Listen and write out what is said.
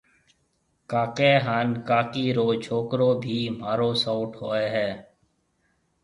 ڪاڪيَ هانَ ڪاڪِي رو ڇوڪرو ڀِي مهارو سئوٽ هوئي هيَ